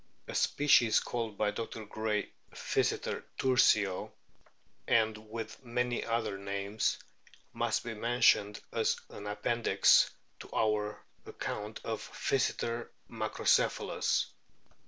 A species, called by Dr. Gray Pliyseter tursio> SPERM WHALES 205 and with many other names, must be mentioned as an appendix to our account of Pkyseter macro cephalus.